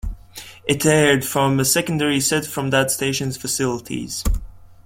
It aired from a secondary set from that station's facilities.